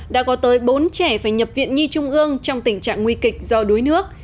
đã có tới bốn trẻ phải nhập viện nhi trung ương trong tình trạng nguy kịch do đuối nước